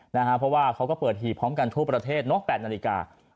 เพราะว่าเขาก็เปิดหีบพร้อมกันทั่วประเทศเนอะ๘นาฬิกา